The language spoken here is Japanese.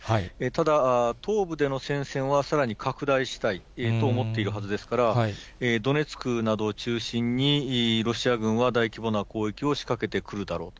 ただ、東部での戦線はさらに拡大したいと思っているはずですから、ドネツクなどを中心にロシア軍は大規模な攻撃を仕掛けてくるだろう。